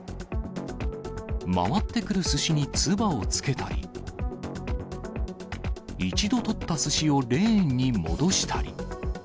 回ってくるすしにつばをつけたり、一度取ったすしをレーンに戻したり。